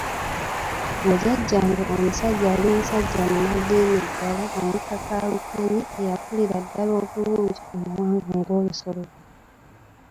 Mbu Jjajjange omusajja yali musajja munnaddiini ddala, omukakaalukanyi, eyakulira ddala obulungi, omuwanvu ng'olusolobyo.